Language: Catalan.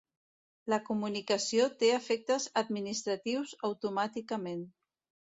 La comunicació té efectes administratius automàticament.